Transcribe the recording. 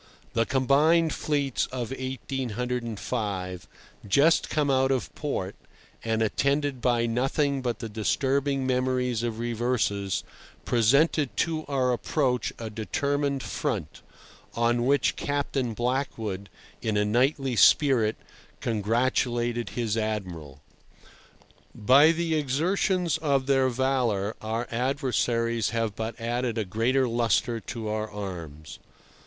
The combined fleets of 1805, just come out of port, and attended by nothing but the disturbing memories of reverses, presented to our approach a determined front, on which Captain Blackwood, in a knightly spirit, congratulated his Admiral. By the exertions of their valour our adversaries have but added a greater lustre to our arms.